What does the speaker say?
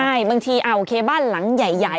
ใช่บางทีโอเคบ้านหลังใหญ่